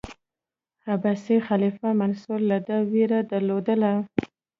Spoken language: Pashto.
عباسي خلیفه منصور له ده ویره درلوده.